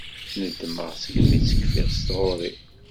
Ndemmeɣ segmi tt-kfiɣ s tɣuri.